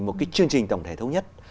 một chương trình tổng thể thống nhất